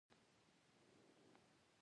دا د حکومت د جوړونکي مافیایي ډلې کار نه دی.